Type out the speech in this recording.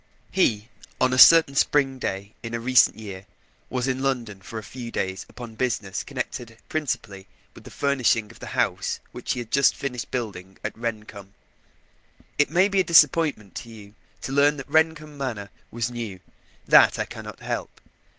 He, on a certain spring day not many years since, was in London for a few days upon business connected principally with the furnishing of the house which he had just finished building at Rendcomb. It may be a disappointment to you to learn that Rendcomb Manor was new; that I cannot help.